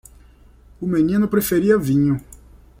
O menino preferia vinho.